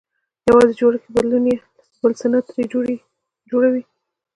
يوازې جوړښت کې بدلون يې بل څه نه ترې جوړوي.